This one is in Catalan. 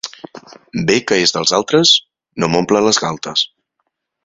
Bé que és dels altres no m'omple les galtes.